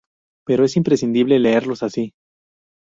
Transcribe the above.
Por eso es imprescindible leerlos así.